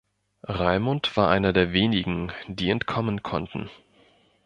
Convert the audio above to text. Raimund war einer der wenigen, die entkommen konnten.